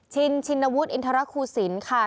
ชินชินวุฒิอินทรคูศิลป์ค่ะ